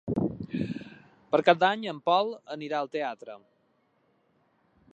Per Cap d'Any en Pol anirà al teatre.